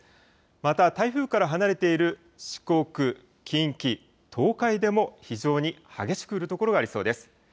また台風から離れている四国、近畿、東海でも、非常に激しく降る所がありそうです。